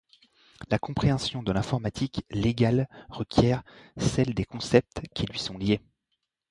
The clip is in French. La compréhension de l'informatique légale requiert celle des concepts qui lui sont liés.